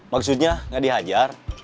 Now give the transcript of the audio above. maksudnya enggak dihajar